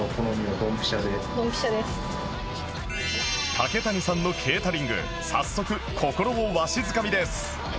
竹谷さんのケータリング早速心をわしづかみです